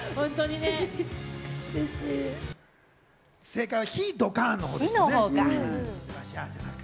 正解は、ヒュー、ドカンのほうでした。